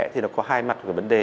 thì nó có hai mặt của vấn đề